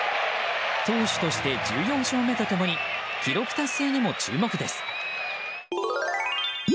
投手として１４勝目と共に記録達成にも注目です。